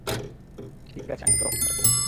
ঠিক আছে, আমি ত্বক কাটছি।